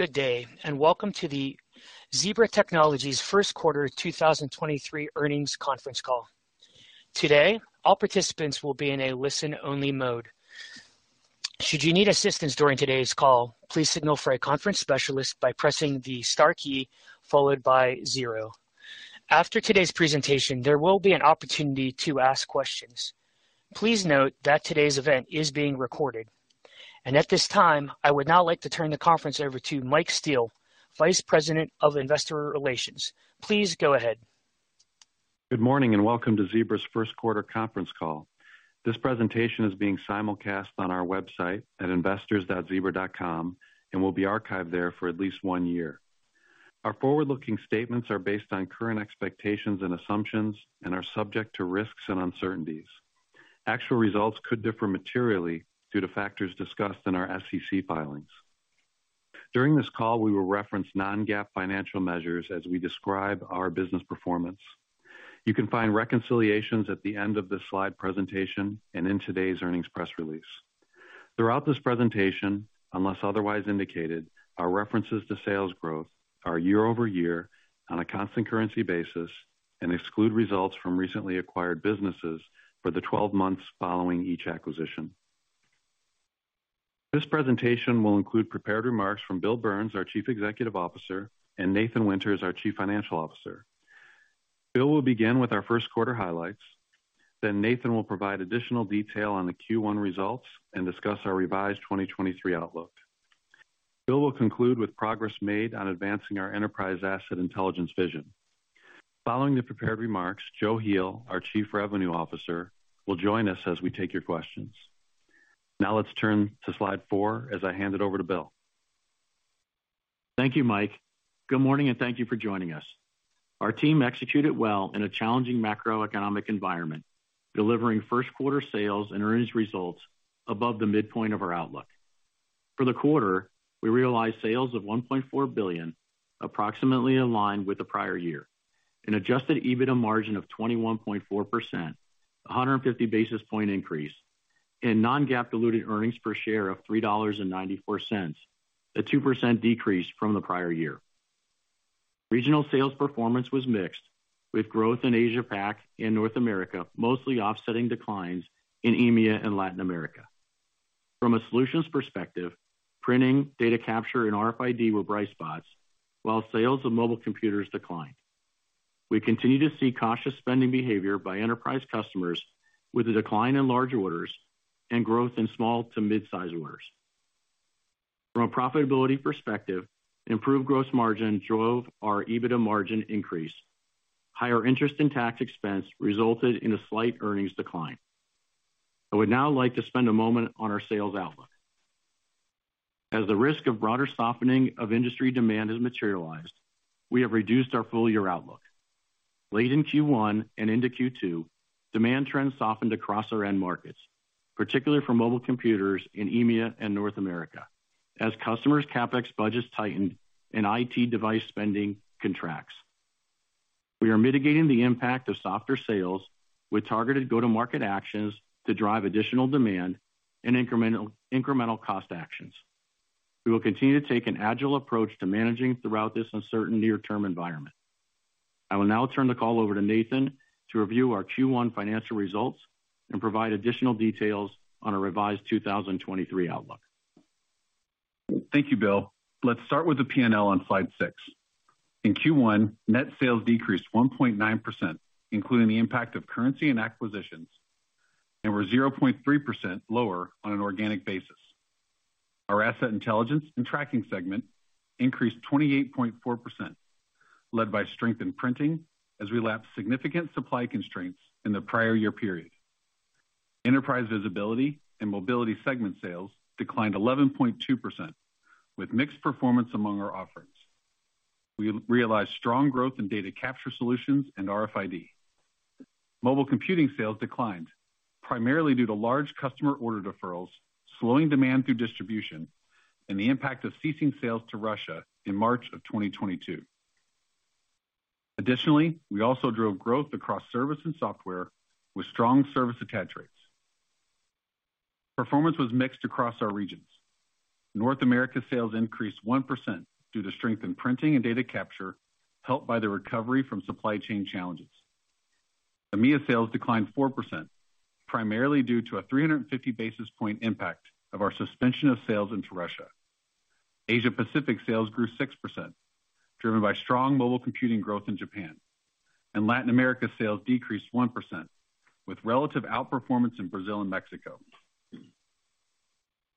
Good day, and welcome to the Zebra Technologies Q1 2023 earnings conference call. Today, all participants will be in a listen-only mode. Should you need assistance during today's call, please signal for a conference specialist by pressing the star key followed by zero. After today's presentation, there will be an opportunity to ask questions. Please note that today's event is being recorded. At this time, I would now like to turn the conference over to Mike Steele, Vice President of Investor Relations. Please go ahead. Good morning, and welcome to Zebra's Q1 conference call. This presentation is being simulcast on our website at investors.zebra.com and will be archived there for at least one year. Our forward-looking statements are based on current expectations and assumptions and are subject to risks and uncertainties. Actual results could differ materially due to factors discussed in our SEC filings. During this call, we will reference non-GAAP financial measures as we describe our business performance. You can find reconciliations at the end of this slide presentation and in today's earnings press release. Throughout this presentation, unless otherwise indicated, our references to sales growth are year-over-year on a constant currency basis and exclude results from recently acquired businesses for the 12 months following each acquisition. This presentation will include prepared remarks from Bill Burns, our Chief Executive Officer, and Nathan Winters, our Chief Financial Officer. Bill will begin with our Q1 highlights. Nathan will provide additional detail on the Q1 results and discuss our revised 2023 outlook. Bill will conclude with progress made on advancing our Enterprise Asset Intelligence vision. Following the prepared remarks, Joe Heel, our Chief Revenue Officer, will join us as we take your questions. Let's turn to slide 4 as I hand it over to Bill. Thank you, Mike. Good morning, and thank you for joining us. Our team executed well in a challenging macroeconomic environment, delivering Q1 sales and earnings results above the midpoint of our outlook. For the quarter, we realized sales of $1.4 billion, approximately in line with the prior year. An adjusted EBITDA margin of 21.4%, a 150 basis point increase, and non-GAAP diluted earnings per share of $3.94, a 2% decrease from the prior year. Regional sales performance was mixed, with growth in Asia Pac and North America mostly offsetting declines in EMEA and Latin America. From a solutions perspective, printing, data capture, and RFID were bright spots, while sales of mobile computers declined. We continue to see cautious spending behavior by enterprise customers with a decline in large orders and growth in small to mid-size orders. From a profitability perspective, improved gross margin drove our EBITDA margin increase. Higher interest in tax expense resulted in a slight earnings decline. I would now like to spend a moment on our sales outlook. As the risk of broader softening of industry demand has materialized, we have reduced our full year outlook. Late in Q1 and into Q2, demand trends softened across our end markets, particularly for mobile computers in EMEA and North America, as customers' CapEx budgets tightened and IT device spending contracts. We are mitigating the impact of softer sales with targeted go-to-market actions to drive additional demand and incremental cost actions. We will continue to take an agile approach to managing throughout this uncertain near-term environment. I will now turn the call over to Nathan to review our Q1 financial results and provide additional details on our revised 2023 outlook. Thank you, Bill. Let's start with the P&L on slide 6. In Q1, net sales decreased 1.9%, including the impact of currency and acquisitions, and were 0.3% lower on an organic basis. Our Asset Intelligence and Tracking segment increased 28.4%, led by strength in printing as we lapped significant supply constraints in the prior year period. Enterprise Visibility and Mobility segment sales declined 11.2%, with mixed performance among our offerings. We realized strong growth in data capture solutions and RFID. Mobile computing sales declined, primarily due to large customer order deferrals, slowing demand through distribution, and the impact of ceasing sales to Russia in March of 2022. Additionally, we also drove growth across service and software with strong service attach rates. Performance was mixed across our regions. North America sales increased 1% due to strength in printing and data capture, helped by the recovery from supply chain challenges. EMEA sales declined 4%, primarily due to a 350 basis point impact of our suspension of sales into Russia. Asia Pacific sales grew 6%, driven by strong mobile computing growth in Japan. Latin America sales decreased 1%, with relative outperformance in Brazil and Mexico.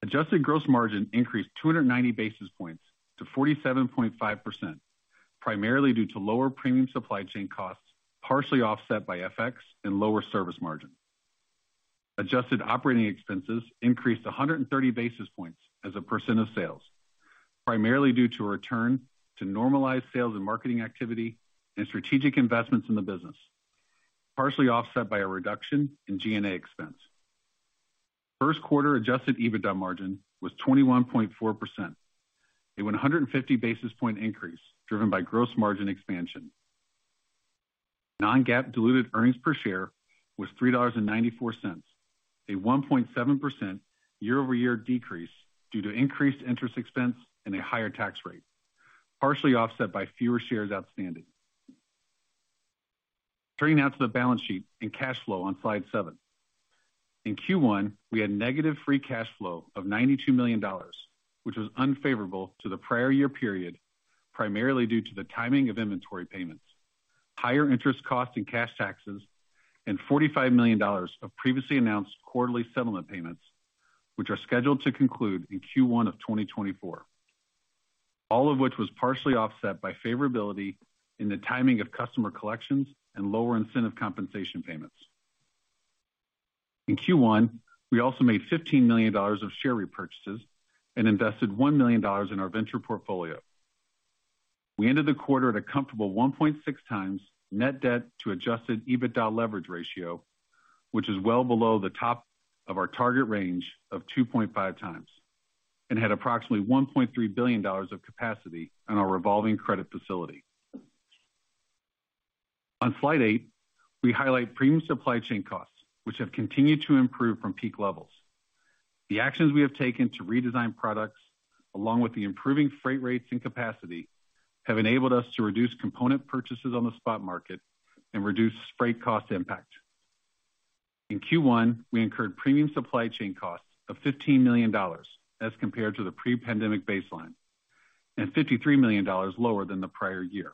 Adjusted gross margin increased 290 basis points to 47.5%, primarily due to lower premium supply chain costs, partially offset by FX and lower service margin. Adjusted operating expenses increased 130 basis points as a % of sales, primarily due to a return to normalized sales and marketing activity and strategic investments in the business, partially offset by a reduction in G&A expense. Q1 adjusted EBITDA margin was 21.4%, a 150 basis point increase driven by gross margin expansion. non-GAAP diluted earnings per share was $3.94, a 1.7% year-over-year decrease due to increased interest expense and a higher tax rate, partially offset by fewer shares outstanding. Turning now to the balance sheet and cash flow on slide 7. In Q1, we had negative free cash flow of $92 million, which was unfavorable to the prior year period, primarily due to the timing of inventory payments, higher interest costs and cash taxes, and $45 million of previously announced quarterly settlement payments, which are scheduled to conclude in Q1 of 2024. All of which was partially offset by favorability in the timing of customer collections and lower incentive compensation payments. In Q1, we also made $15 million of share repurchases and invested $1 million in our venture portfolio. We ended the quarter at a comfortable 1.6 times net debt to adjusted EBITDA leverage ratio, which is well below the top of our target range of 2.5 times and had approximately $1.3 billion of capacity on our revolving credit facility. On slide 8, we highlight premium supply chain costs, which have continued to improve from peak levels. The actions we have taken to redesign products, along with the improving freight rates and capacity, have enabled us to reduce component purchases on the spot market and reduce freight cost impact. In Q1, we incurred premium supply chain costs of $15 million as compared to the pre-pandemic baseline, and $53 million lower than the prior year.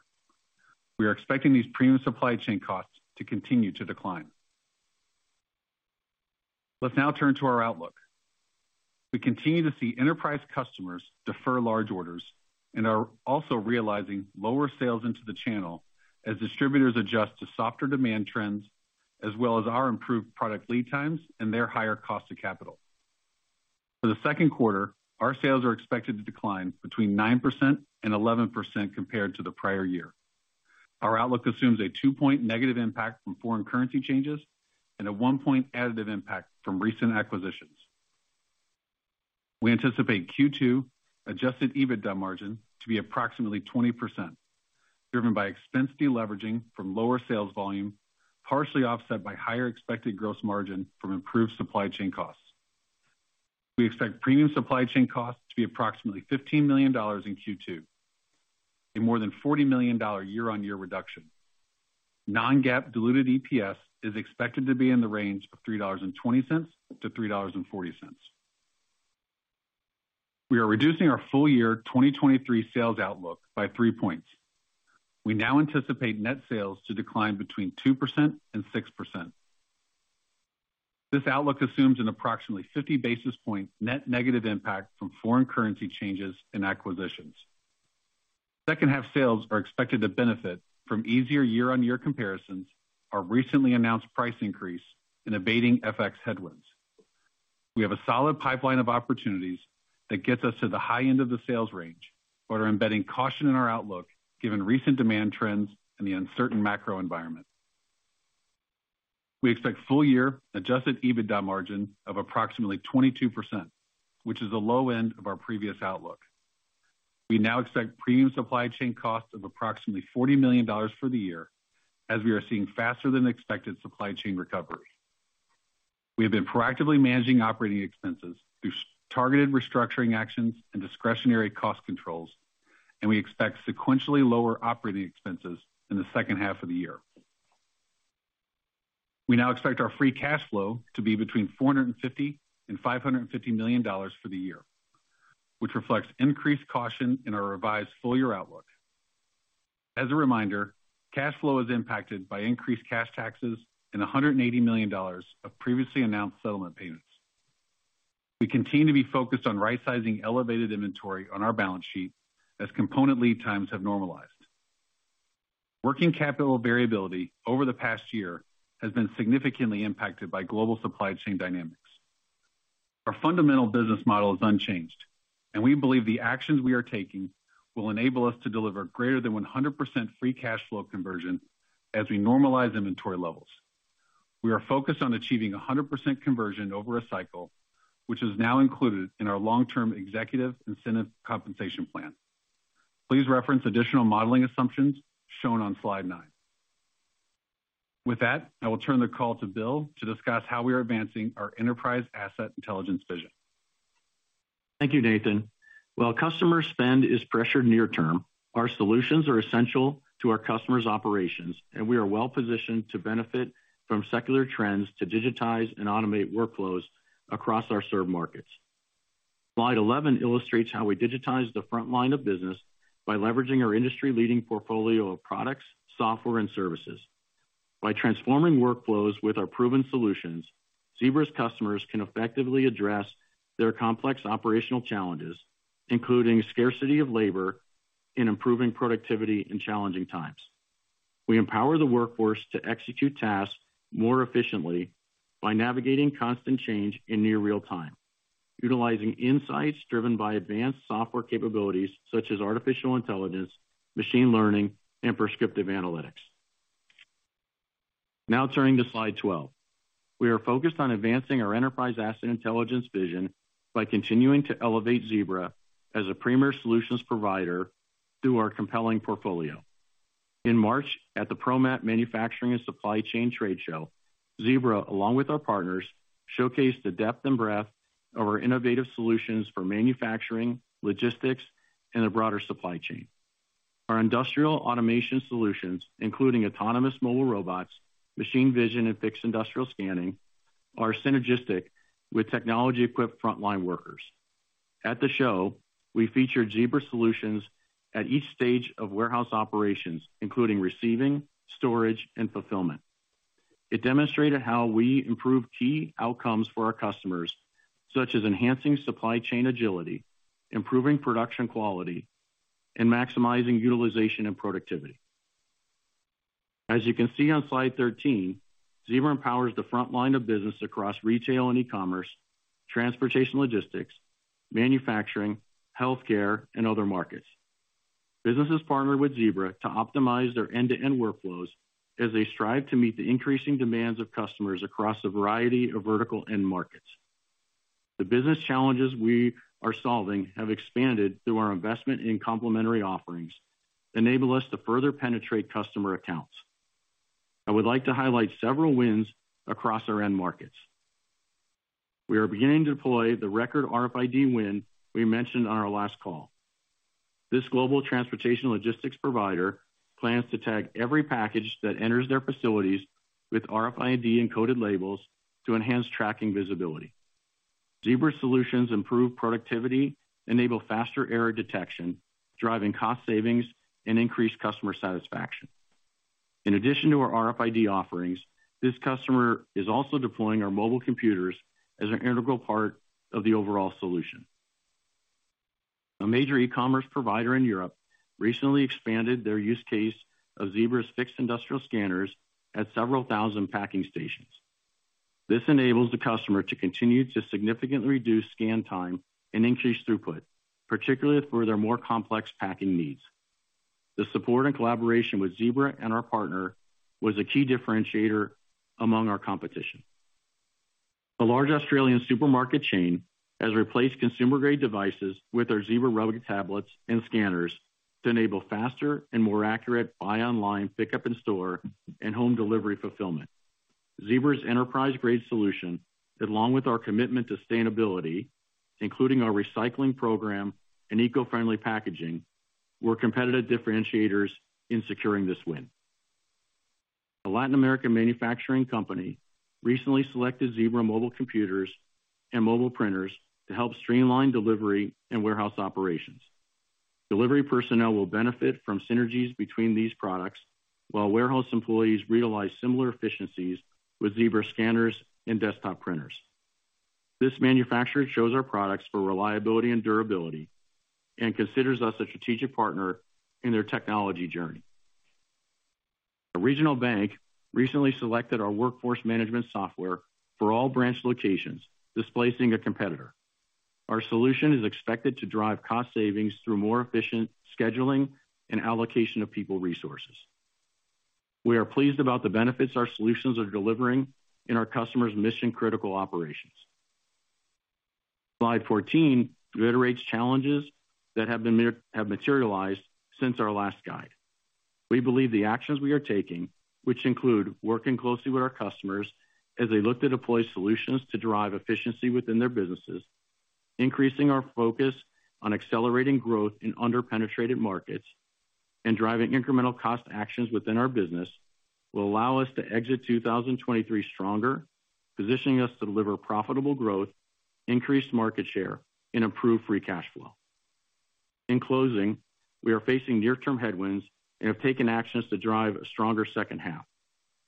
We are expecting these premium supply chain costs to continue to decline. Let's now turn to our outlook. We continue to see enterprise customers defer large orders and are also realizing lower sales into the channel as distributors adjust to softer demand trends, as well as our improved product lead times and their higher cost of capital. For the Q2, our sales are expected to decline between 9% and 11% compared to the prior year. Our outlook assumes a 2-point negative impact from foreign currency changes and a 1-point additive impact from recent acquisitions. We anticipate Q2 adjusted EBITDA margin to be approximately 20%, driven by expense deleveraging from lower sales volume, partially offset by higher expected gross margin from improved supply chain costs. We expect premium supply chain costs to be approximately $15 million in Q2, a more than $40 million year-on-year reduction. Non-GAAP diluted EPS is expected to be in the range of $3.20 to $3.40. We are reducing our full year 2023 sales outlook by 3 points. We now anticipate net sales to decline between 2% and 6%. This outlook assumes an approximately 50 basis point net negative impact from foreign currency changes and acquisitions. H2 sales are expected to benefit from easier year-on-year comparisons, our recently announced price increase in abating FX headwinds. We have a solid pipeline of opportunities that gets us to the high end of the sales range, but are embedding caution in our outlook given recent demand trends and the uncertain macro environment. We expect full year adjusted EBITDA margin of approximately 22%, which is the low end of our previous outlook. We now expect premium supply chain costs of approximately $40 million for the year as we are seeing faster than expected supply chain recovery. We have been proactively managing operating expenses through targeted restructuring actions and discretionary cost controls. We expect sequentially lower operating expenses in the H2 of the year. We now expect our free cash flow to be between $450 million and $550 million for the year, which reflects increased caution in our revised full year outlook. As a reminder, cash flow is impacted by increased cash taxes and $180 million of previously announced settlement payments. We continue to be focused on right-sizing elevated inventory on our balance sheet as component lead times have normalized. Working capital variability over the past year has been significantly impacted by global supply chain dynamics. Our fundamental business model is unchanged. We believe the actions we are taking will enable us to deliver greater than 100% free cash flow conversion as we normalize inventory levels. We are focused on achieving 100% conversion over a cycle, which is now included in our long-term executive incentive compensation plan. Please reference additional modeling assumptions shown on slide 9. With that, I will turn the call to Bill to discuss how we are advancing our Enterprise Asset Intelligence vision. Thank you, Nathan. While customer spend is pressured near term, our solutions are essential to our customers' operations, and we are well positioned to benefit from secular trends to digitize and automate workflows across our served markets. Slide 11 illustrates how we digitize the front line of business by leveraging our industry-leading portfolio of products, software, and services. By transforming workflows with our proven solutions, Zebra's customers can effectively address their complex operational challenges, including scarcity of labor and improving productivity in challenging times. We empower the workforce to execute tasks more efficiently by navigating constant change in near real time, utilizing insights driven by advanced software capabilities such as artificial intelligence, machine learning, and prescriptive analytics. Turning to slide 12. We are focused on advancing our Enterprise Asset Intelligence vision by continuing to elevate Zebra as a premier solutions provider through our compelling portfolio. In March, at the ProMat Manufacturing and Supply Chain Trade Show, Zebra, along with our partners, showcased the depth and breadth of our innovative solutions for manufacturing, logistics and the broader supply chain. Our industrial automation solutions, including autonomous mobile robots, machine vision and fixed industrial scanning, are synergistic with technology-equipped frontline workers. At the show, we featured Zebra solutions at each stage of warehouse operations, including receiving, storage and fulfillment. It demonstrated how we improve key outcomes for our customers, such as enhancing supply chain agility, improving production quality, and maximizing utilization and productivity. As you can see on slide 13, Zebra empowers the front line of business across retail and e-commerce, transportation logistics, manufacturing, healthcare and other markets. Businesses partner with Zebra to optimize their end-to-end workflows as they strive to meet the increasing demands of customers across a variety of vertical end markets. The business challenges we are solving have expanded through our investment in complementary offerings, enable us to further penetrate customer accounts. I would like to highlight several wins across our end markets. We are beginning to deploy the record RFID win we mentioned on our last call. This global transportation logistics provider plans to tag every package that enters their facilities with RFID-encoded labels to enhance tracking visibility. Zebra solutions improve productivity, enable faster error detection, driving cost savings, and increase customer satisfaction. In addition to our RFID offerings, this customer is also deploying our mobile computers as an integral part of the overall solution. A major e-commerce provider in Europe recently expanded their use case of Zebra's fixed industrial scanners at several thousand packing stations. This enables the customer to continue to significantly reduce scan time and increase throughput, particularly for their more complex packing needs. The support and collaboration with Zebra and our partner was a key differentiator among our competition. A large Australian supermarket chain has replaced consumer-grade devices with our Zebra rugged tablets and scanners to enable faster and more accurate buy online, pickup in store, and home delivery fulfillment. Zebra's enterprise-grade solution, along with our commitment to sustainability, including our recycling program and eco-friendly packaging, were competitive differentiators in securing this win. A Latin American manufacturing company recently selected Zebra mobile computers and mobile printers to help streamline delivery and warehouse operations. Delivery personnel will benefit from synergies between these products, while warehouse employees realize similar efficiencies with Zebra scanners and desktop printers. This manufacturer chose our products for reliability and durability and considers us a strategic partner in their technology journey. A regional bank recently selected our workforce management software for all branch locations, displacing a competitor. Our solution is expected to drive cost savings through more efficient scheduling and allocation of people resources. We are pleased about the benefits our solutions are delivering in our customers' mission-critical operations. Slide 14 reiterates challenges that have materialized since our last guide. We believe the actions we are taking, which include working closely with our customers as they look to deploy solutions to drive efficiency within their businesses, increasing our focus on accelerating growth in under-penetrated markets, and driving incremental cost actions within our business, will allow us to exit 2023 stronger, positioning us to deliver profitable growth, increased market share, and improve free cash flow. In closing, we are facing near-term headwinds and have taken actions to drive a stronger H2.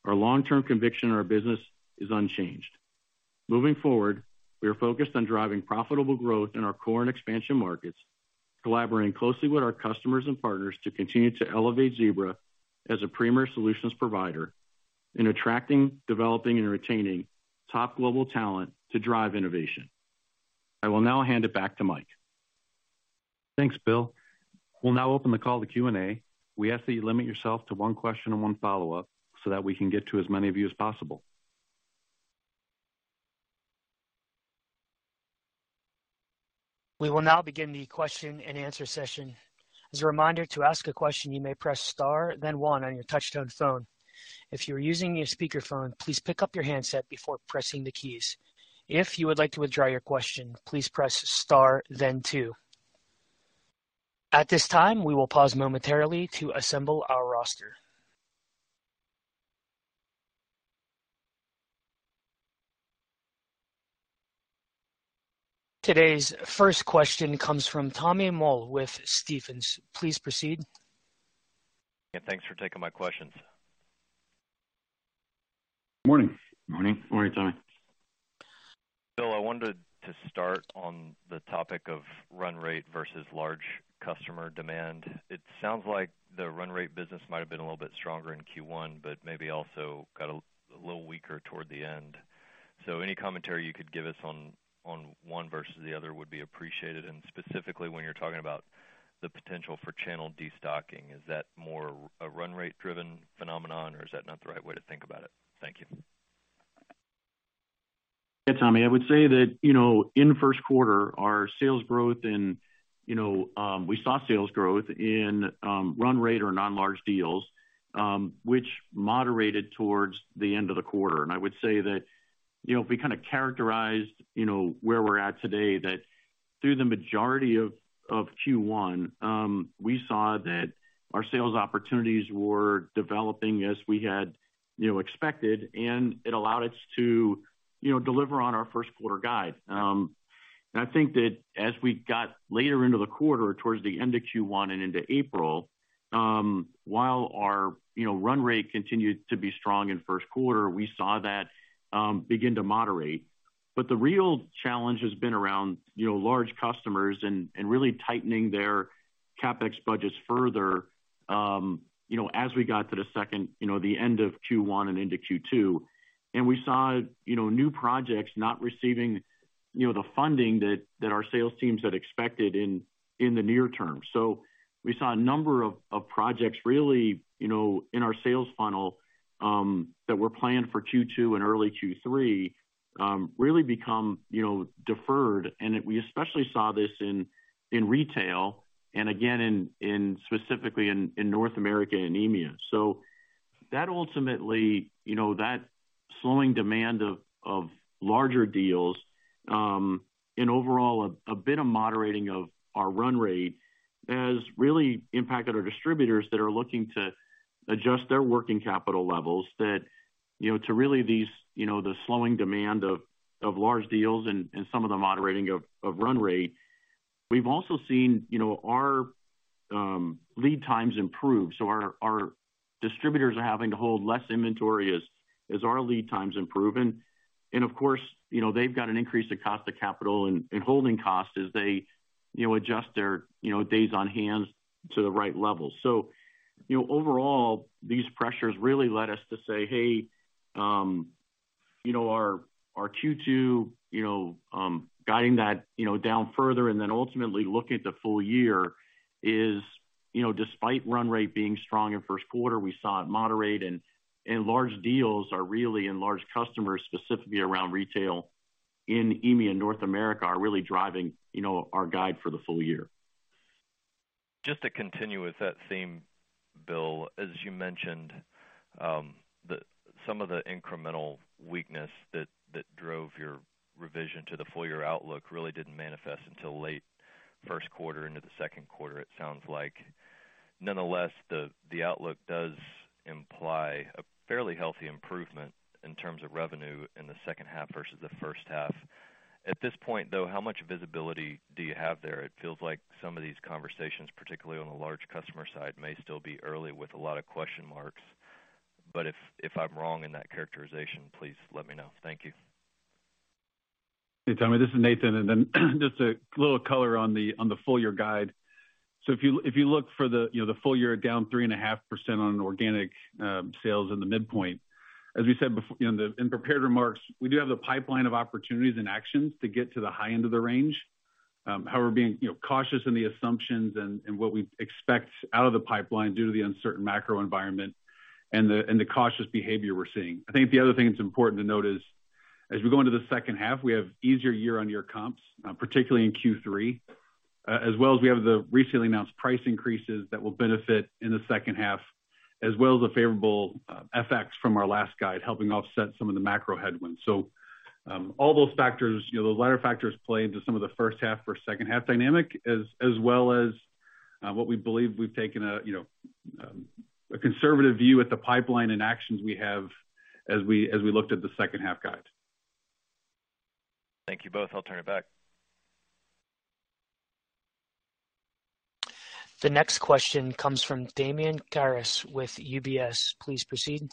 Our long-term conviction in our business is unchanged. Moving forward, we are focused on driving profitable growth in our core and expansion markets, collaborating closely with our customers and partners to continue to elevate Zebra as a premier solutions provider in attracting, developing, and retaining top global talent to drive innovation. I will now hand it back to Mike. Thanks, Bill. We'll now open the call to Q&A. We ask that you limit yourself to one question and one follow-up so that we can get to as many of you as possible. We will now begin the Q&A session. As a reminder, to ask a question, you may press star then one on your touchtone phone. If you are using your speakerphone, please pick up your handset before pressing the keys. If you would like to withdraw your question, please press star then 2. At this time, we will pause momentarily to assemble our roster. Today's first question comes from Tommy Moll with Stephens. Please proceed. Yeah, thanks for taking my questions. Morning. Morning. Morning, Tommy. Bill, I wanted to start on the topic of run rate versus large customer demand. It sounds like the run rate business might have been a little bit stronger in Q1, but maybe also got a little weaker toward the end. Any commentary you could give us on one versus the other would be appreciated. Specifically, when you're talking about the potential for channel destocking, is that more a run rate driven phenomenon or is that not the right way to think about it? Thank you. Yeah, Tommy, I would say that, you know, in the Q1, our sales growth and, you know, we saw sales growth in run rate or non-large deals, which moderated towards the end of the quarter. I would say that, you know, if we kinda characterized, you know, where we're at today, that through the majority of Q1, we saw that our sales opportunities were developing as we had, you know, expected, and it allowed us to, you know, deliver on our Q1 guide. I think that as we got later into the quarter, towards the end of Q1 and into April, while our, you know, run rate continued to be strong in Q1, we saw that begin to moderate. The real challenge has been around, you know, large customers and really tightening their CapEx budgets further, you know, as we got to the second, you know, the end of Q1 and into Q2. We saw, you know, new projects not receiving, you know, the funding that our sales teams had expected in the near term. We saw a number of projects really, you know, in our sales funnel, that were planned for Q2 and early Q3, really become, you know, deferred. We especially saw this in retail and again in specifically in North America and EMEA. That ultimately, you know, that slowing demand of larger deals, in overall a bit of moderating of our run rate has really impacted our distributors that are looking to adjust their working capital levels that, you know, to really these, you know, the slowing demand of large deals and some of the moderating of run rate. We've also seen, you know, our lead times improve, so our distributors are having to hold less inventory as our lead times improve. Of course, you know, they've got an increase in cost of capital and holding costs as they, you know, adjust their, you know, days on hand to the right level. You know, overall these pressures really led us to say, hey, you know, our Q2, you know, guiding that, you know, down further and then ultimately looking at the full year is, you know, despite run rate being strong in Q1, we saw it moderate. Large deals are really, and large customers specifically around retail in EMEA and North America are really driving, you know, our guide for the full year. Just to continue with that theme, Bill, as you mentioned, some of the incremental weakness that drove your revision to the full year outlook really didn't manifest until late Q1 into the Q2, it sounds like. Nonetheless, the outlook does imply a fairly healthy improvement in terms of revenue in the H2 versus the H1. At this point, though, how much visibility do you have there? It feels like some of these conversations, particularly on the large customer side, may still be early with a lot of question marks. If I'm wrong in that characterization, please let me know. Thank you. Hey, Tommy Moll, this is Nathan Winters. Just a little color on the full year guide. If you look for the, you know, the full year down 3.5% on organic sales in the midpoint, as we said, you know, in prepared remarks, we do have the pipeline of opportunities and actions to get to the high end of the range. However, being, you know, cautious in the assumptions and what we expect out of the pipeline due to the uncertain macro environment and the cautious behavior we're seeing. I think the other thing that's important to note is, as we go into the H2, we have easier year-on-year comps, particularly in Q3. As well as we have the recently announced price increases that will benefit in the H2, as well as a favorable FX from our last guide, helping offset some of the macro headwinds. All those factors, you know, those latter factors play into some of the H1 versus H2 dynamic, as well as what we believe we've taken a, you know, a conservative view at the pipeline and actions we have as we looked at the H2 guide. Thank you both. I'll turn it back. The next question comes from Damian Karas with UBS. Please proceed.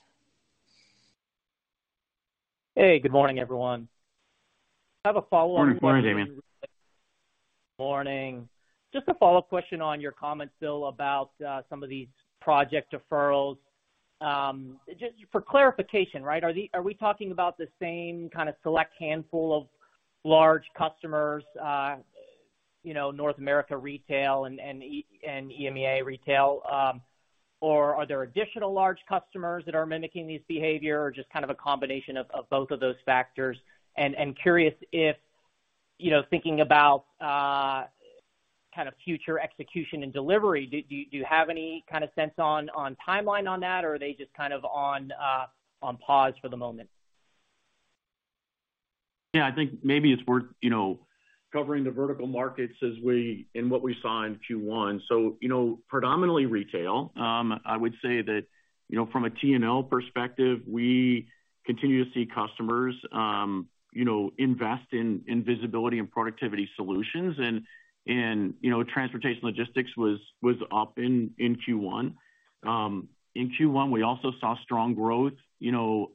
Hey, good morning, everyone. I have a follow-on question. Morning, Damian. Morning. Just a follow-up question on your comment, Bill, about some of these project deferrals. Just for clarification, right, are we talking about the same kind of select handful of large customers, you know, North America Retail and EMEA Retail? Or are there additional large customers that are mimicking these behavior, or just kind of a combination of both of those factors? Curious if, you know, thinking about kind of future execution and delivery, do you have any kind of sense on timeline on that, or are they just kind of on pause for the moment? Yeah, I think maybe it's worth, you know, covering the vertical markets as in what we saw in Q1. You know, predominantly retail. I would say that, you know, from a T&L perspective, we continue to see customers, you know, invest in visibility and productivity solutions. You know, transportation logistics was up in Q1. In Q1, we also saw strong growth, you know,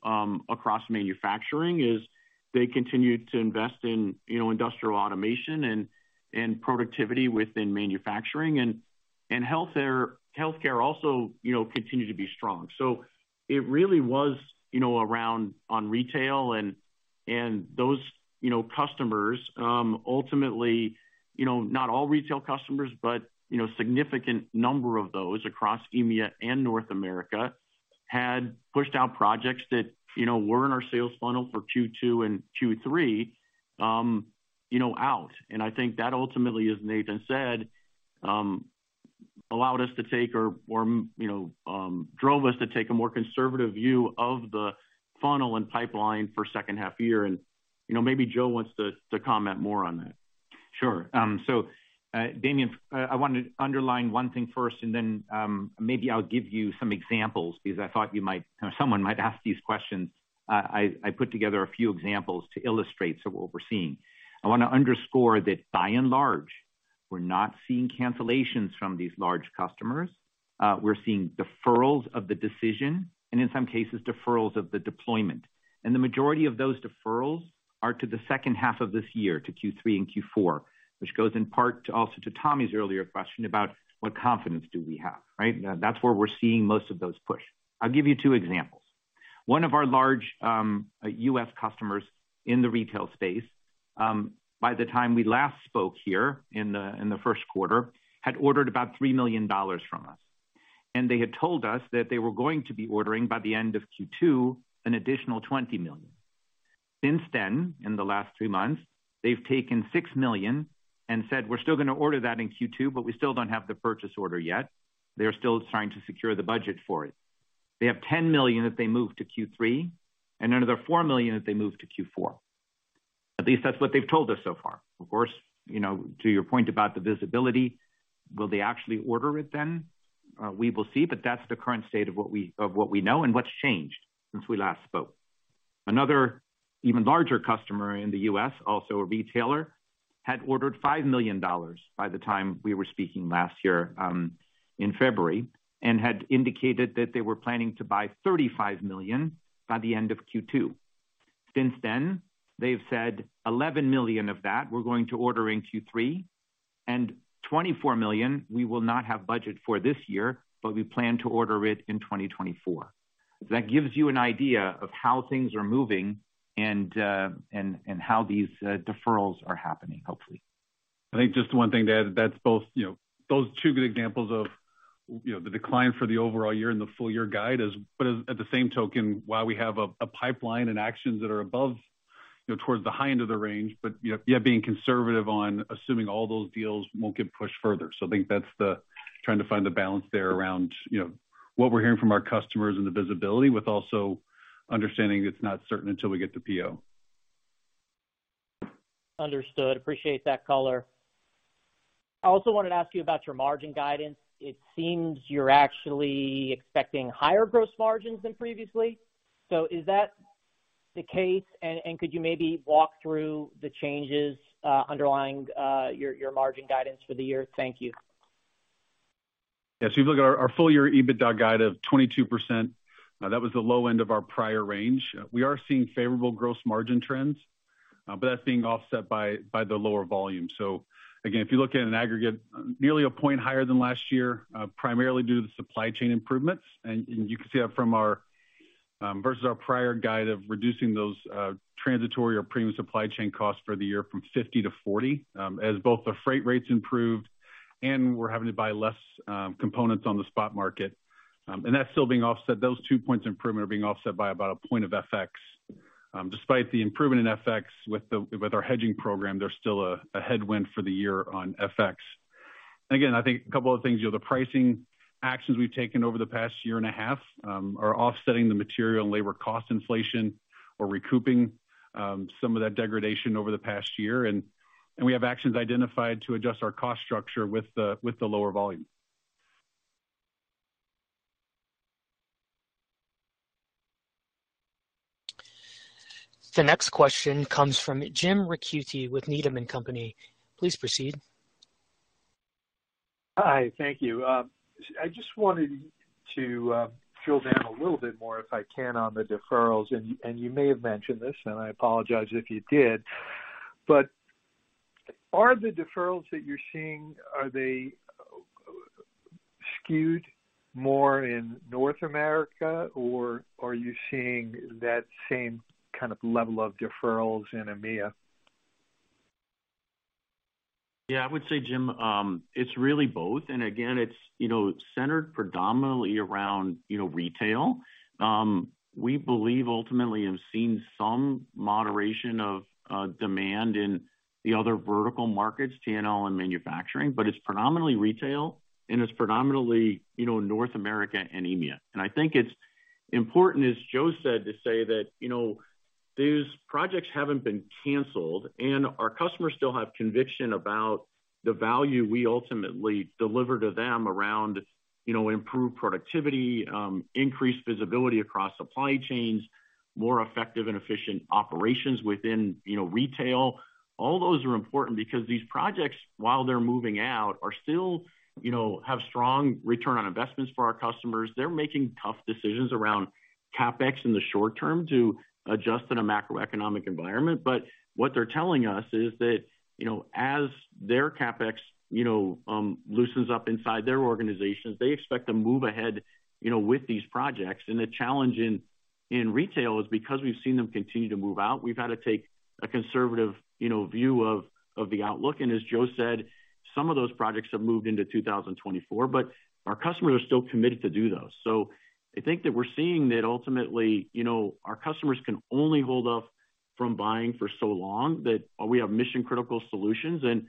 across manufacturing as they continued to invest in, you know, industrial automation and productivity within manufacturing. Health care also, you know, continued to be strong. It really was, you know, around on retail and those, you know, customers, ultimately, you know, not all retail customers, but, you know, a significant number of those across EMEA and North America had pushed out projects that, you know, were in our sales funnel for Q2 and Q3, you know, out. I think that ultimately, as Nathan said, allowed us to take or, you know, drove us to take a more conservative view of the funnel and pipeline for H2 year. You know, maybe Joe wants to comment more on that. Sure. Damian, I want to underline one thing first, and then maybe I'll give you some examples because I thought you might or someone might ask these questions. I put together a few examples to illustrate some of what we're seeing. I wanna underscore that by and large, we're not seeing cancellations from these large customers. We're seeing deferrals of the decision and in some cases, deferrals of the deployment. The majority of those deferrals are to the H2 of this year, to Q3 and Q4, which goes in part also to Tommy's earlier question about what confidence do we have, right? That's where we're seeing most of those push. I'll give you 2 examples. One of our large, U.S. customers in the retail space, by the time we last spoke here in the Q1, had ordered about $3 million from us. They had told us that they were going to be ordering by the end of Q2 an additional $20 million. Since then, in the last 3 months, they've taken $6 million and said, "We're still going to order that in Q2, but we still don't have the purchase order yet." They are still trying to secure the budget for it. They have $10 million that they moved to Q3, and another $4 million that they moved to Q4. At least that's what they've told us so far. Of course, you know, to your point about the visibility, will they actually order it then? We will see, but that's the current state of what we know and what's changed since we last spoke. Another even larger customer in the U.S., also a retailer, had ordered $5 million by the time we were speaking last year in February, and had indicated that they were planning to buy $35 million by the end of Q2. Since then, they've said $11 million of that we're going to order in Q3 and $24 million we will not have budget for this year, but we plan to order it in 2024. That gives you an idea of how things are moving and how these deferrals are happening, hopefully. I think just one thing to add, that's both, you know, those 2 good examples of, you know, the decline for the overall year and the full year guide is. At the same token, while we have a pipeline and actions that are above, you know, towards the high end of the range, yet being conservative on assuming all those deals won't get pushed further. I think that's trying to find the balance there around, you know, what we're hearing from our customers and the visibility with also understanding it's not certain until we get the PO. Understood. Appreciate that color. I also wanted to ask you about your margin guidance. It seems you're actually expecting higher gross margins than previously. Is that the case? Could you maybe walk through the changes underlying your margin guidance for the year? Thank you. Yes, if you look at our full year EBITDA guide of 22%, that was the low end of our prior range. We are seeing favorable gross margin trends, but that's being offset by the lower volume. Again, if you look at an aggregate nearly 1 point higher than last year, primarily due to the supply chain improvements. You can see that from our versus our prior guide of reducing those transitory or premium supply chain costs for the year from 50 to 40, as both the freight rates improved and we're having to buy less components on the spot market. That's still being offset. Those 2 points improvement are being offset by about 1 point of FX. Despite the improvement in FX with our hedging program, there's still a headwind for the year on FX. Again, I think a couple of things. You know, the pricing actions we've taken over the past year and a half are offsetting the material and labor cost inflation or recouping some of that degradation over the past year. We have actions identified to adjust our cost structure with the lower volume. The next question comes from Jim Ricchiuti with Needham & Company. Please proceed. Hi. Thank you. I just wanted to drill down a little bit more, if I can, on the deferrals. You may have mentioned this, and I apologize if you did, but are the deferrals that you're seeing, are they skewed more in North America, or are you seeing that same kind of level of deferrals in EMEA? Yeah, I would say, Jim, it's really both. Again, it's, you know, centered predominantly around, you know, retail. We believe ultimately have seen some moderation of demand in the other vertical markets, T&L and manufacturing, but it's predominantly retail and it's predominantly, you know, North America and EMEA. I think it's important, as Joe said, to say that, you know, these projects haven't been canceled and our customers still have conviction about the value we ultimately deliver to them around, you know, improved productivity, increased visibility across supply chains, more effective and efficient operations within, you know, retail. All those are important because these projects, while they're moving out, are still, you know, have strong return on investments for our customers. They're making tough decisions around CapEx in the short term to adjust in a macroeconomic environment. What they're telling us is that, you know, as their CapEx, you know, loosens up inside their organizations, they expect to move ahead, you know, with these projects. The challenge in In retail, it's because we've seen them continue to move out. We've had to take a conservative, you know, view of the outlook. As Joe said, some of those projects have moved into 2024, but our customers are still committed to do those. I think that we're seeing that ultimately, you know, our customers can only hold off from buying for so long, that we have mission-critical solutions, and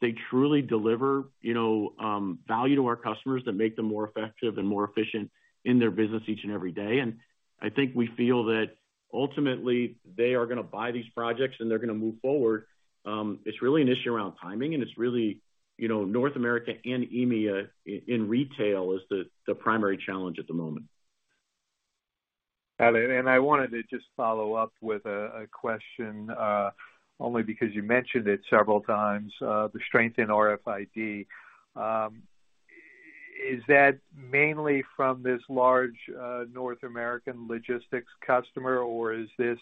they truly deliver, you know, value to our customers that make them more effective and more efficient in their business each and every day. I think we feel that ultimately they are gonna buy these projects and they're gonna move forward. It's really an issue around timing, and it's really, you know, North America and EMEA in retail is the primary challenge at the moment. Got it. I wanted to just follow up with a question only because you mentioned it several times, the strength in RFID. Is that mainly from this large North American logistics customer, or is this,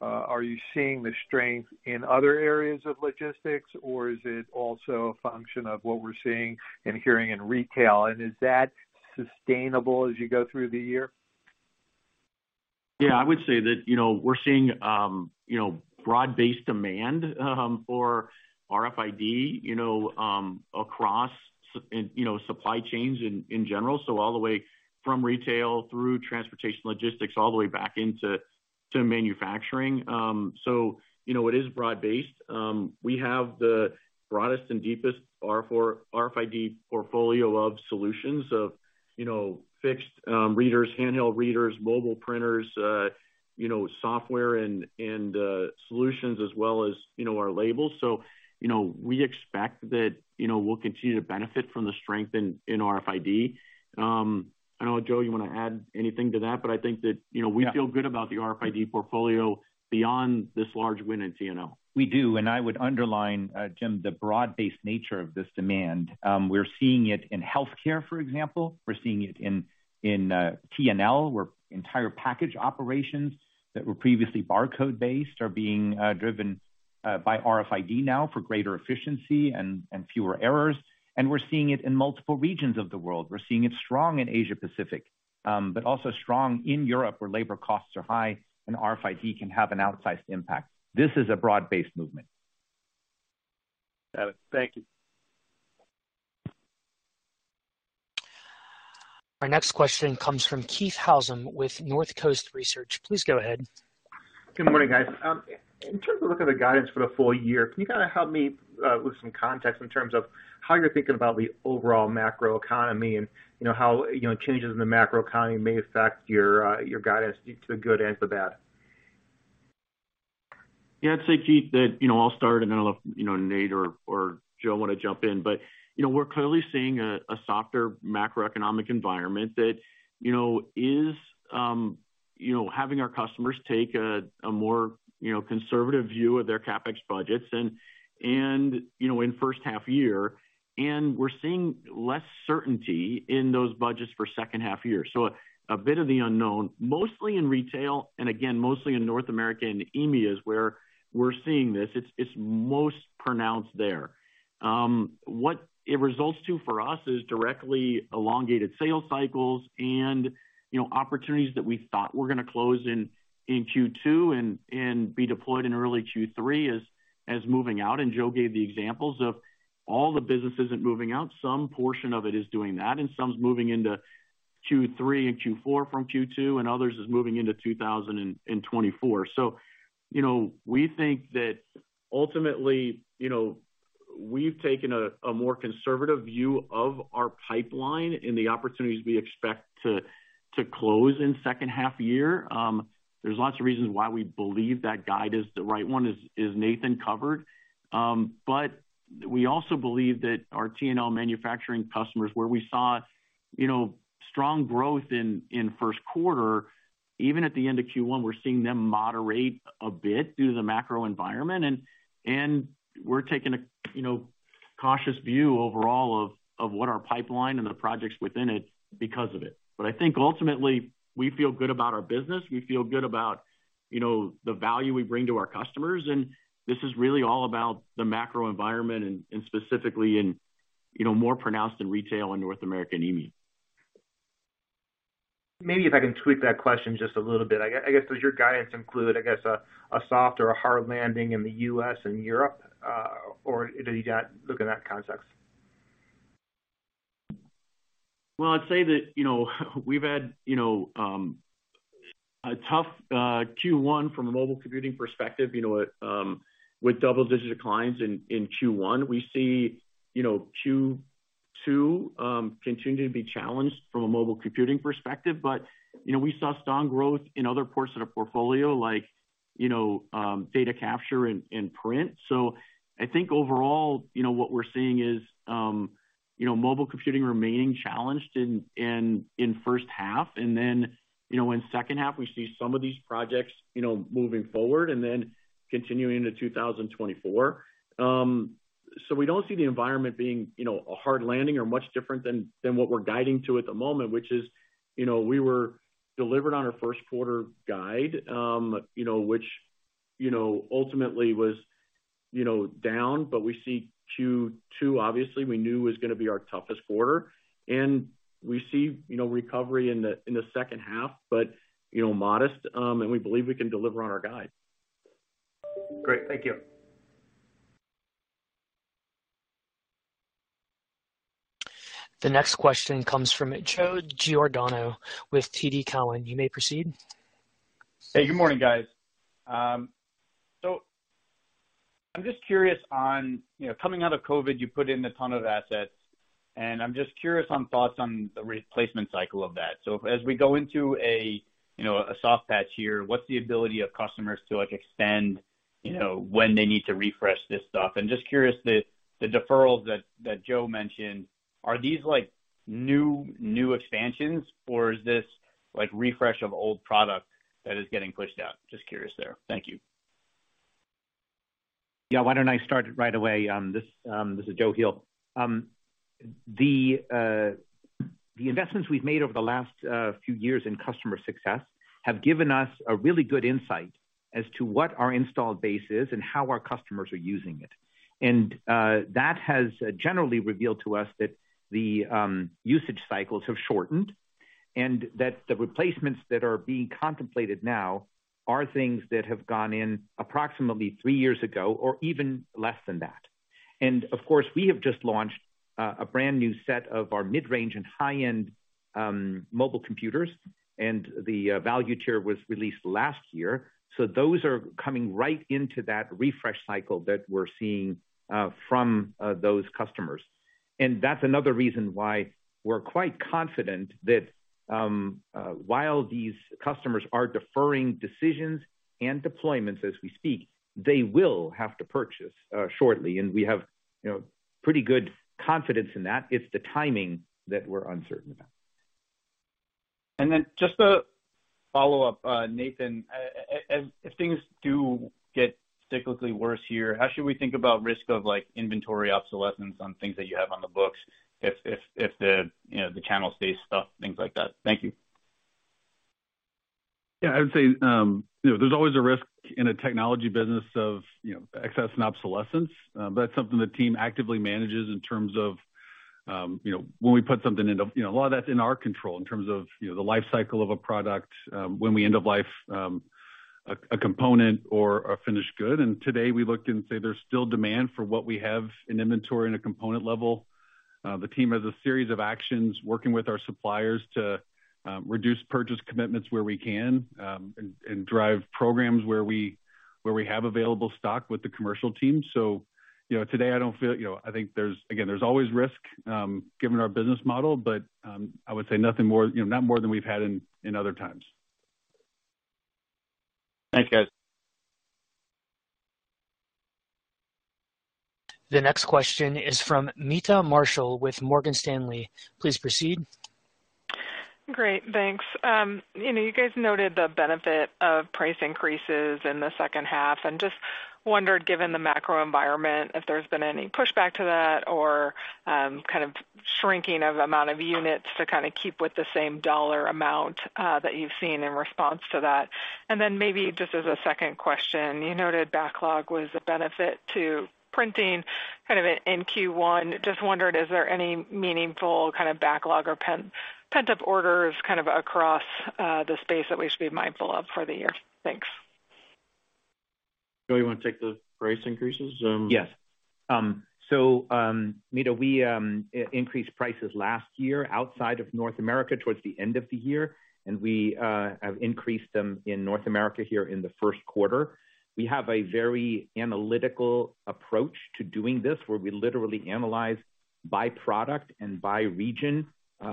are you seeing the strength in other areas of logistics, or is it also a function of what we're seeing and hearing in retail? Is that sustainable as you go through the year? I would say that, you know, we're seeing, you know, broad-based demand for RFID, you know, across and, you know, supply chains in general, so all the way from retail through transportation logistics, all the way back into manufacturing. It is broad-based. We have the broadest and deepest RFID portfolio of solutions of, you know, fixed readers, handheld readers, mobile printers, you know, software and solutions, as well as, you know, our labels. You know, we expect that, you know, we'll continue to benefit from the strength in RFID. I don't know, Joe, you want to add anything to that? I think that, you know- Yeah. We feel good about the RFID portfolio beyond this large win in T&L. We do. I would underline, Jim, the broad-based nature of this demand. We're seeing it in healthcare, for example. We're seeing it in T&L, where entire package operations that were previously barcode-based are being driven by RFID now for greater efficiency and fewer errors. We're seeing it in multiple regions of the world. We're seeing it strong in Asia-Pacific, but also strong in Europe, where labor costs are high and RFID can have an outsized impact. This is a broad-based movement. Got it. Thank you. Our next question comes from Keith Housum with Northcoast Research. Please go ahead. Good morning, guys. In terms of looking at the guidance for the full year, can you kind of help me with some context in terms of how you're thinking about the overall macroeconomy and, you know, how, you know, changes in the macroeconomy may affect your guidance to the good and for the bad? Yeah, I'd say, Keith, that, you know, I'll start, and then I'll let, you know, Nate or Joe want to jump in. You know, we're clearly seeing a softer macroeconomic environment that, you know, is, you know, having our customers take a more, you know, conservative view of their CapEx budgets and, you know, in H1 year, and we're seeing less certainty in those budgets for H2 year. A bit of the unknown, mostly in retail, and again, mostly in North America and EMEA is where we're seeing this. It's most pronounced there. What it results to for us is directly elongated sales cycles and, you know, opportunities that we thought were gonna close in Q2 and be deployed in early Q3 is as moving out. Joe gave the examples of all the business isn't moving out. Some portion of it is doing that, and some is moving into Q3 and Q4 from Q2, and others is moving into 2024. You know, we think that ultimately, you know, we've taken a more conservative view of our pipeline and the opportunities we expect to close in H2 year. There's lots of reasons why we believe that guide is the right one, as Nathan covered. We also believe that our T&L manufacturing customers, where we saw, you know, strong growth in Q1, even at the end of Q1, we're seeing them moderate a bit due to the macro environment. We're taking a, you know, cautious view overall of what our pipeline and the projects within it because of it. I think ultimately we feel good about our business. We feel good about, you know, the value we bring to our customers, and this is really all about the macro environment and specifically in, you know, more pronounced in retail in North America and EMEA. Maybe if I can tweak that question just a little bit. I guess, does your guidance include, I guess, a soft or a hard landing in the U.S. and Europe, or did you not look at that context? Well, I'd say that, you know, we've had, you know, a tough Q1 from a mobile computing perspective, you know, with double-digit declines in Q1. We see, you know, Q2, continue to be challenged from a mobile computing perspective. You know, we saw strong growth in other parts of the portfolio like, you know, data capture and print. I think overall, you know, what we're seeing is, you know, mobile computing remaining challenged in H1. You know, in H2, we see some of these projects, you know, moving forward and then continuing into 2024. We don't see the environment being, you know, a hard landing or much different than what we're guiding to at the moment, which is, you know, we were delivered on our Q1 guide, which ultimately. You know, down, but we see Q2, obviously, we knew was gonna be our toughest quarter, and we see, you know, recovery in the H2, but, you know, modest, and we believe we can deliver on our guide. Great. Thank you. The next question comes from Joe Giordano with TD Cowen. You may proceed. Hey, good morning, guys. I'm just curious on, you know, coming out of COVID, you put in a ton of assets, and I'm just curious on thoughts on the replacement cycle of that. As we go into a, you know, a soft patch here, what's the ability of customers to, like, extend, you know, when they need to refresh this stuff? Just curious, the deferrals that Joe mentioned, are these, like, new expansions, or is this like refresh of old product that is getting pushed out? Just curious there. Thank you. Yeah, why don't I start right away? This is Joe Heel. The investments we've made over the last few years in customer success have given us a really good insight as to what our installed base is and how our customers are using it. That has generally revealed to us that the usage cycles have shortened and that the replacements that are being contemplated now are things that have gone in approximately 3 years ago or even less than that. And of course, we have just launched a brand new set of our mid-range and high-end mobile computers, and the value tier was released last year. Those are coming right into that refresh cycle that we're seeing from those customers. That's another reason why we're quite confident that, while these customers are deferring decisions and deployments as we speak, they will have to purchase shortly. We have, you know, pretty good confidence in that. It's the timing that we're uncertain about. Just to follow up, Nathan, if things do get cyclically worse here, how should we think about risk of, like, inventory obsolescence on things that you have on the books if the, you know, the channel stays stuck, things like that? Thank you. Yeah, I would say, you know, there's always a risk in a technology business of, you know, excess and obsolescence. That's something the team actively manages in terms of, you know, when we put something into. You know, a lot of that's in our control in terms of, you know, the life cycle of a product, when we end of life a component or a finished good. Today, we looked and say there's still demand for what we have in inventory and a component level. The team has a series of actions working with our suppliers to reduce purchase commitments where we can, and drive programs where we have available stock with the commercial team. You know, today I don't feel. You know, I think there's, again, there's always risk, given our business model, but, I would say nothing more, you know, not more than we've had in other times. Thanks, guys. The next question is from Meta Marshall with Morgan Stanley. Please proceed. Great. Thanks. You know, you guys noted the benefit of price increases in the H2, just wondered, given the macro environment, if there's been any pushback to that or, kind of shrinking of amount of units to kind of keep with the same dollar amount that you've seen in response to that. Then maybe just as a second question, you noted backlog was a benefit to printing kind of in Q1. Just wondering, is there any meaningful kind of backlog or pent-up orders kind of across the space that we should be mindful of for the year? Thanks. Joe, you wanna take the price increases? Yes. So, Meta, we increased prices last year outside of North America towards the end of the year, and we have increased them in North America here in the Q1. We have a very analytical approach to doing this, where we literally analyze by product and by region,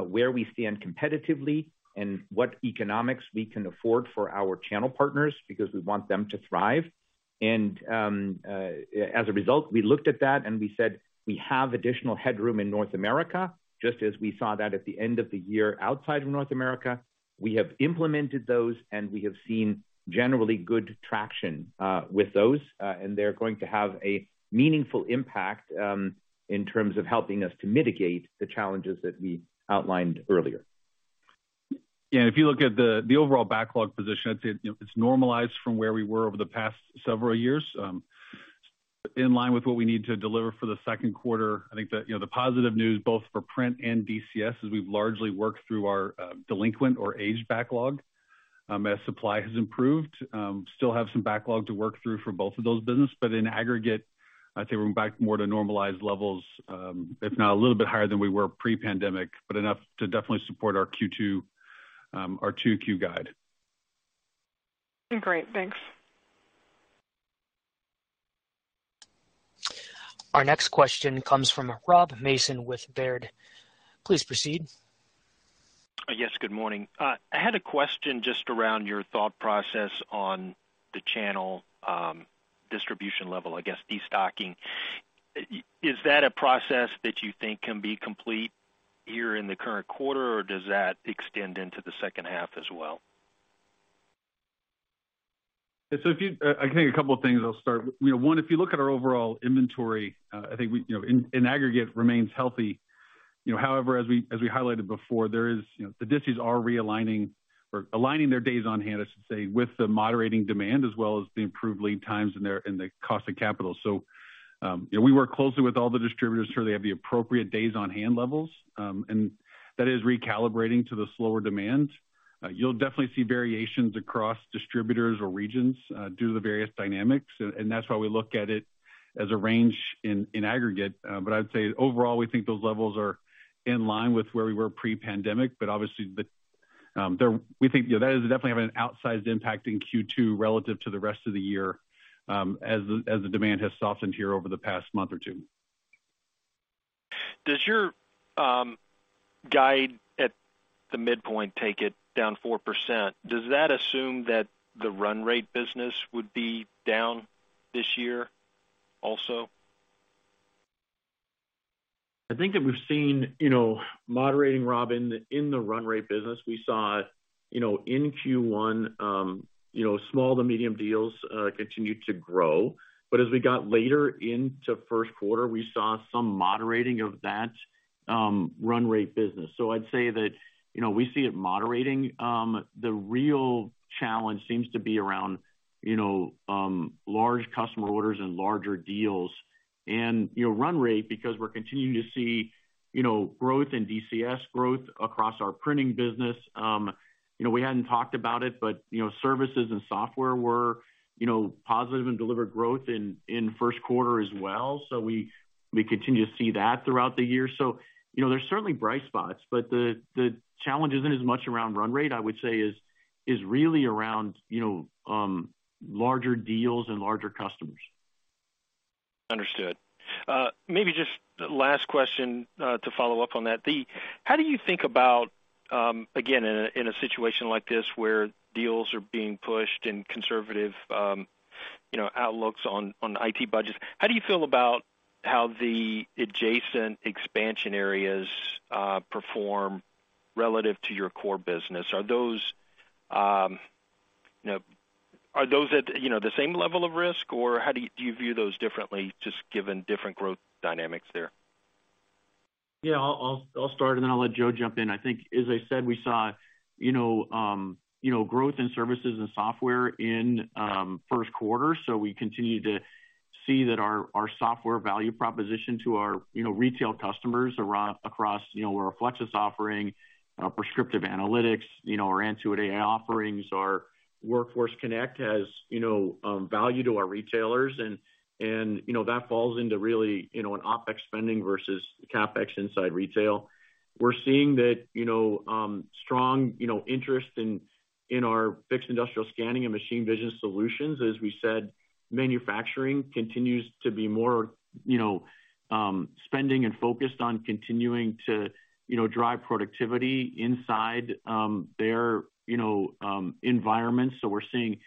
where we stand competitively and what economics we can afford for our channel partners because we want them to thrive. As a result, we looked at that, and we said we have additional headroom in North America, just as we saw that at the end of the year outside of North America. We have implemented those, and we have seen generally good traction with those. They're going to have a meaningful impact in terms of helping us to mitigate the challenges that we outlined earlier. If you look at the overall backlog position, I'd say it, you know, it's normalized from where we were over the past several years, in line with what we need to deliver for the Q2. I think that, you know, the positive news both for print and DCS is we've largely worked through our delinquent or aged backlog, as supply has improved. Still have some backlog to work through for both of those business, in aggregate, I'd say we're back more to normalized levels, if not a little bit higher than we were pre-pandemic, enough to definitely support our Q2, our 2 Q guide. Great. Thanks. Our next question comes from Rob Mason with Baird. Please proceed. Yes, good morning. I had a question just around your thought process on the channel, distribution level, I guess, destocking. Is that a process that you think can be complete here in the current quarter, or does that extend into the H2 as well? Yeah, I think a couple of things I'll start. You know, 1, if you look at our overall inventory, I think we, you know, in aggregate remains healthy. However, as we highlighted before, there is the disties are realigning or aligning their days on hand, I should say, with the moderating demand as well as the improved lead times and the cost of capital. We work closely with all the distributors so they have the appropriate days on hand levels, and that is recalibrating to the slower demand. You'll definitely see variations across distributors or regions due to the various dynamics, and that's why we look at it as a range in aggregate. I'd say overall, we think those levels are in line with where we were pre-pandemic. Obviously the, we think, you know, that is definitely having an outsized impact in Q2 relative to the rest of the year, as the, as the demand has softened here over the past month or 2. Does your guide at the midpoint take it down 4%, does that assume that the run rate business would be down this year also? I think that we've seen, you know, moderating, Rob, in the, in the run rate business. We saw, you know, in Q1, you know, small to medium deals continue to grow. As we got later into Q1, we saw some moderating of that run rate business. I'd say that, you know, we see it moderating. The real challenge seems to be around, you know, large customer orders and larger deals. You know, run rate because we're continuing to see, you know, growth in DCS, growth across our printing business. You know, we hadn't talked about it, but, you know, services and software were, you know, positive and delivered growth in Q1 as well. We, we continue to see that throughout the year. you know, there's certainly bright spots, but the challenge isn't as much around run rate, I would say is really around, you know, larger deals and larger customers. Understood. Maybe just last question to follow up on that. How do you think about again, in a situation like this where deals are being pushed in conservative, you know, outlooks on IT budgets, how do you feel about how the adjacent expansion areas perform relative to your core business? Are those, you know, are those at, you know, the same level of risk, or do you view those differently just given different growth dynamics there? Yeah, I'll start and then I'll let Joe jump in. I think, as I said, we saw, you know, growth in services and software in 1st quarter. We continue to see that our software value proposition to our, you know, retail customers across, you know, our Reflexis offering, prescriptive analytics, you know, our Antuit.ai offerings, our Workforce Connect has, you know, value to our retailers. That falls into really, you know, an OpEx spending versus CapEx inside retail. We're seeing that, you know, strong, you know, interest in our fixed industrial scanning and machine vision solutions. As we said, manufacturing continues to be more, you know, spending and focused on continuing to, you know, drive productivity inside their, you know, environments. We're seeing,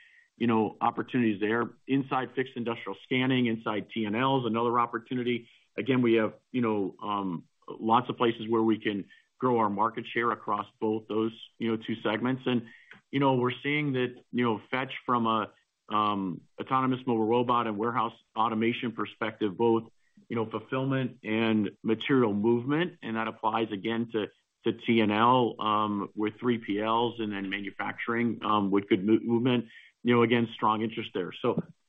you know, opportunities there inside fixed industrial scanning, inside T&L is another opportunity. Again, we have, you know, lots of places where we can grow our market share across both those, you know, 2 segments. We're seeing that, you know, Fetch from a autonomous mobile robot and warehouse automation perspective, both, you know, fulfillment and material movement, and that applies again to T&L, with 3PLs and then manufacturing, with good movement. You know, again, strong interest there.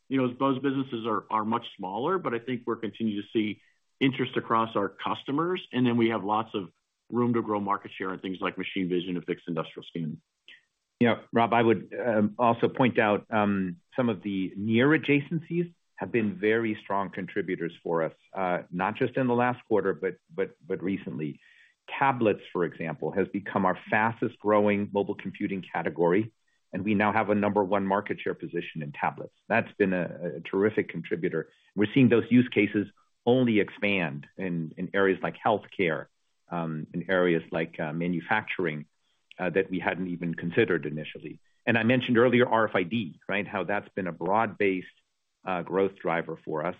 You know, those businesses are much smaller, but I think we're continuing to see interest across our customers. Then we have lots of room to grow market share on things like machine vision and fixed industrial scanning. Yeah, Rob, I would also point out, some of the near adjacencies have been very strong contributors for us, not just in the last quarter, but recently. Tablets, for example, has become our fastest-growing mobile computing category, and we now have a number one market share position in tablets. That's been a terrific contributor. We're seeing those use cases only expand in areas like healthcare, in areas like manufacturing, that we hadn't even considered initially. I mentioned earlier RFID, right? How that's been a broad-based growth driver for us.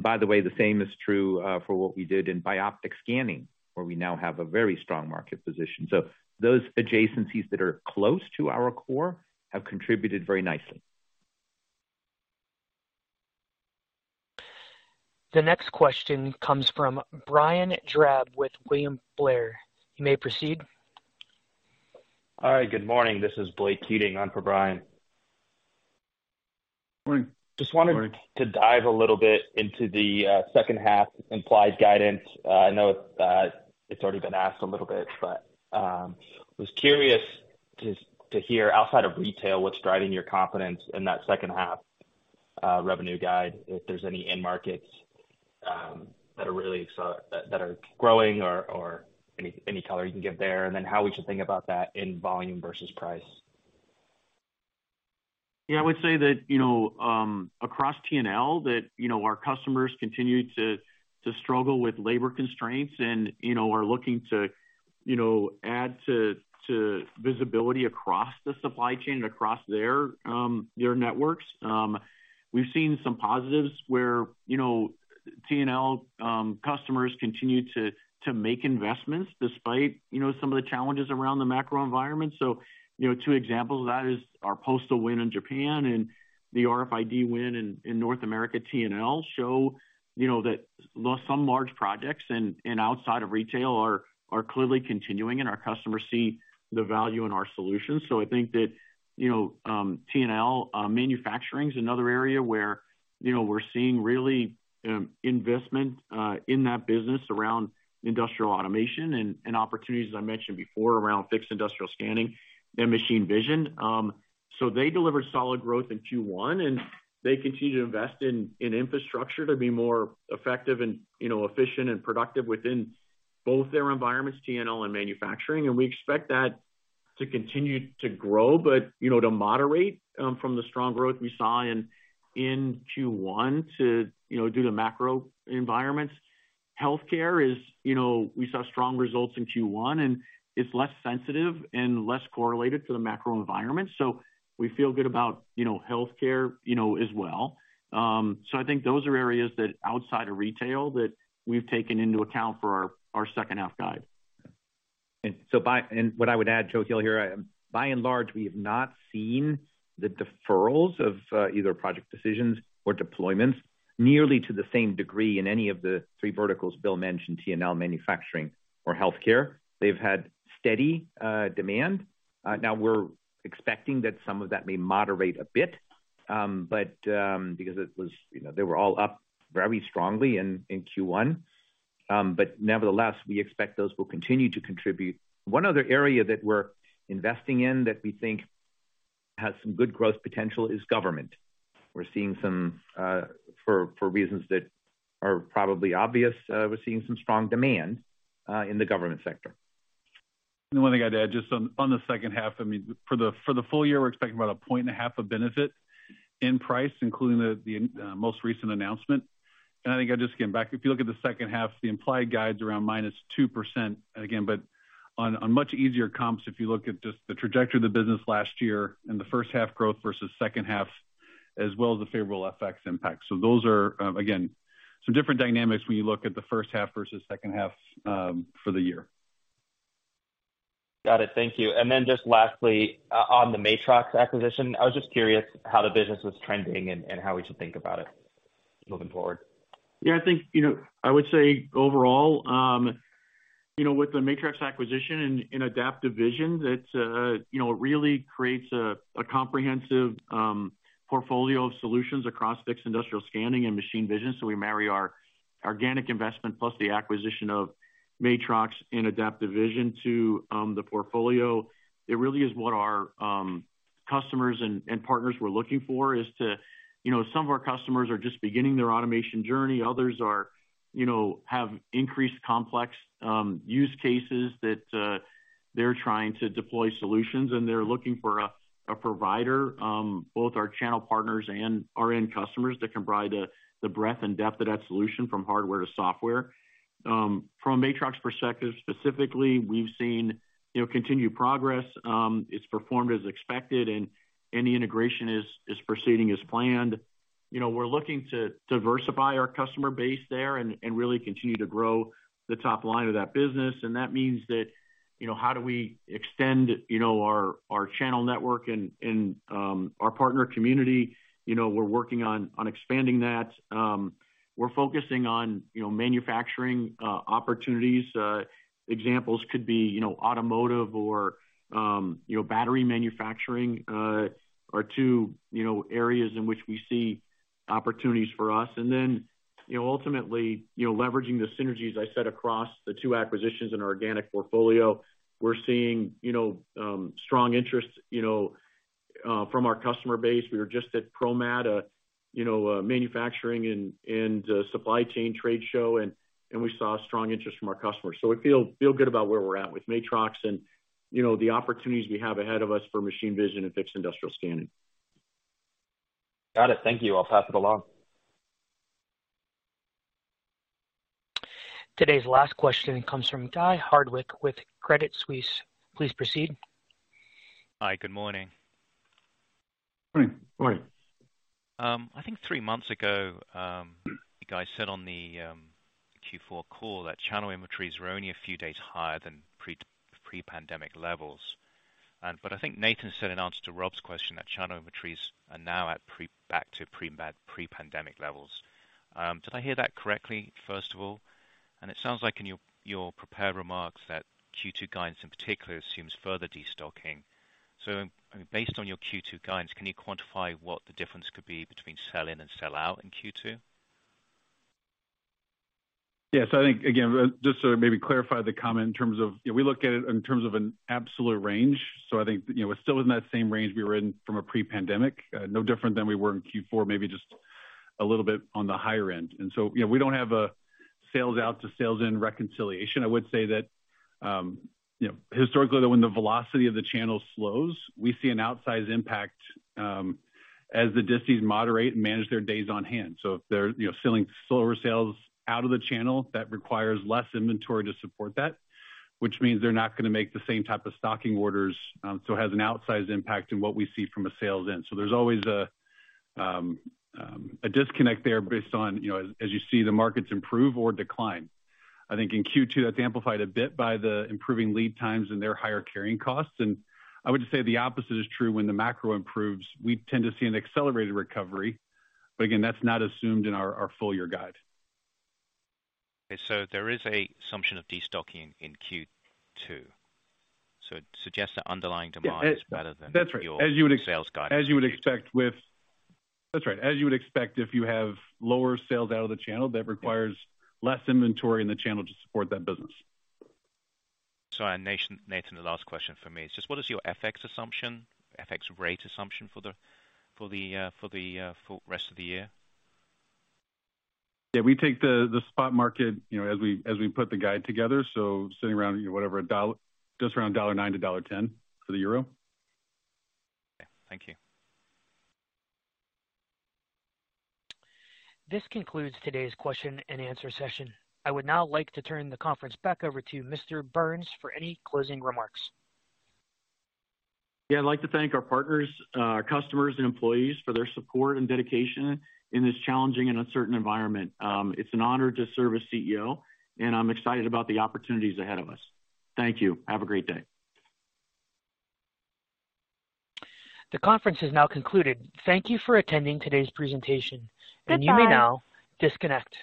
By the way, the same is true for what we did in bioptic scanning, where we now have a very strong market position. Those adjacencies that are close to our core have contributed very nicely. The next question comes from Brian Drab with William Blair. You may proceed. All right. Good morning. This is Blake Keating on for Brian. Morning. Just wanted to dive a little bit into the H2 implied guidance. I know it's already been asked a little bit, but was curious to hear outside of retail, what's driving your confidence in that H2 revenue guide, if there's any end markets that are really that are growing or any color you can give there, and then how we should think about that in volume versus price? Yeah, I would say that, you know, across T&L that, you know, our customers continue to struggle with labor constraints and, you know, are looking to, you know, add to visibility across the supply chain, across their networks. We've seen some positives where, you know, T&L customers continue to make investments despite, you know, some of the challenges around the macro environment. You know, 2 examples of that is our postal win in Japan and the RFID win in North America T&L show, you know, that though some large projects and outside of retail are clearly continuing and our customers see the value in our solutions. I think that, you know, T&L, manufacturing's another area where, you know, we're seeing really investment in that business around industrial automation and opportunities, as I mentioned before, around fixed industrial scanning and machine vision. They delivered solid growth in Q1, and they continue to invest in infrastructure to be more effective and, you know, efficient and productive within both their environments, T&L and manufacturing. We expect that to continue to grow but, you know, to moderate from the strong growth we saw in Q1 to, you know, due to macro environments. Healthcare is, you know, we saw strong results in Q1, and it's less sensitive and less correlated to the macro environment. We feel good about, you know, healthcare, you know, as well. I think those are areas that outside of retail that we've taken into account for our H2 guide. What I would add, Joe Heel here, by and large, we have not seen the deferrals of either project decisions or deployments nearly to the same degree in any of the 3 verticals Bill mentioned, T&L, manufacturing or healthcare. They've had steady demand. Now we're expecting that some of that may moderate a bit because it was, you know, they were all up very strongly in Q1. Nevertheless, we expect those will continue to contribute. One other area that we're investing in that we think has some good growth potential is government. We're seeing some for reasons that are probably obvious, we're seeing some strong demand in the government sector. One thing I'd add just on the H2, I mean, for the full year, we're expecting about a point and a half of benefit in price, including the most recent announcement. I think I'd just came back. If you look at the H2, the implied guide's around -2% again, but on much easier comps, if you look at just the trajectory of the business last year and the H1 growth versus H2, as well as the favorable FX impact. Those are again, some different dynamics when you look at the H1 versus H2 for the year. Got it. Thank you. Just lastly, on the Matrox acquisition, I was just curious how the business was trending and how we should think about it moving forward. Yeah, I think, you know, I would say overall, you know, with the Matrox acquisition and Adaptive Vision, it's, you know, it really creates a comprehensive portfolio of solutions across fixed industrial scanning and machine vision. We marry our organic investment plus the acquisition of Matrox and Adaptive Vision to the portfolio. It really is what our customers and partners were looking for. You know, some of our customers are just beginning their automation journey. Others are, you know, have increased complex use cases that they're trying to deploy solutions, and they're looking for a provider, both our channel partners and our end customers that can provide the breadth and depth of that solution from hardware to software. From Matrox perspective, specifically, we've seen, you know, continued progress. It's performed as expected and the integration is proceeding as planned. You know, we're looking to diversify our customer base there and really continue to grow the top line of that business. That means that, you know, how do we extend, you know, our channel network and our partner community? You know, we're working on expanding that. We're focusing on, you know, manufacturing opportunities. Examples could be, you know, automotive or, you know, battery manufacturing are 2, you know, areas in which we see opportunities for us. Then, you know, ultimately, you know, leveraging the synergies I said across the 2 acquisitions in our organic portfolio. We're seeing, you know, strong interest, you know, from our customer base. We were just at ProMat, a, you know, a manufacturing and supply chain trade show, and we saw strong interest from our customers. We feel good about where we're at with Matrox and, you know, the opportunities we have ahead of us for machine vision and fixed industrial scanning. Got it. Thank you. I'll pass it along. Today's last question comes from Guy Hardwick with Credit Suisse. Please proceed. Hi. Good morning. Good morning. I think 3 months ago, you guys said on the Q4 call that channel inventories were only a few days higher than pre-pandemic levels. I think Nathan said an answer to Rob's question that channel inventories are now back to pre-pandemic levels. Did I hear that correctly, first of all? It sounds like in your prepared remarks that Q2 guidance, in particular, assumes further destocking. Based on your Q2 guidance, can you quantify what the difference could be between sell-in and sell-out in Q2? Yes. I think, again, just to maybe clarify the comment. We look at it in terms of an absolute range. I think, you know, we're still in that same range we were in from a pre-pandemic, no different than we were in Q4, maybe just a little bit on the higher end. You know, we don't have a sales out to sales in reconciliation. I would say that, you know, historically, that when the velocity of the channel slows, we see an outsized impact as the distries moderate and manage their days on hand. If they're, you know, selling slower sales out of the channel, that requires less inventory to support that, which means they're not gonna make the same type of stocking orders, so has an outsized impact in what we see from a sales in. There's always a disconnect there based on, you know, as you see the markets improve or decline. I think in Q2, that's amplified a bit by the improving lead times and their higher carrying costs. I would say the opposite is true when the macro improves, we tend to see an accelerated recovery, but again, that's not assumed in our full year guide. Okay. There is a assumption of destocking in Q2. It suggests that underlying demand- Yeah. is better than your sales guide. That's right. As you would expect, if you have lower sales out of the channel, that requires less inventory in the channel to support that business. Nathan, the last question for me. Just what is your FX assumption, FX rate assumption for the rest of the year? Yeah, we take the spot market, you know, as we put the guide together. Sitting around, whatever, a dollar, just around $1.09-$1.10 for the euro. Okay. Thank you. This concludes today's Q&A session. I would now like to turn the conference back over to Mr. Burns for any closing remarks. Yeah. I'd like to thank our partners, customers and employees for their support and dedication in this challenging and uncertain environment. It's an honor to serve as CEO, and I'm excited about the opportunities ahead of us. Thank you. Have a great day. The conference is now concluded. Thank you for attending today's presentation. Goodbye. You may now disconnect.